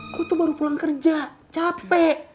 aku tuh baru pulang kerja capek